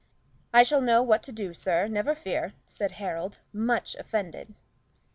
"I shall know what to do, sir, never fear," said Harold, much offended.